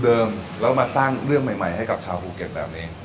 ที่เราได้ทำให้ชาวภูเก็ตแบบนี้